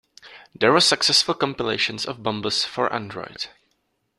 There was successful compilations of Bombus for Android.